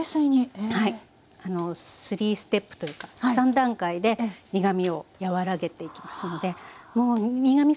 ３ステップというか３段階で苦みを和らげていきますのでもう苦み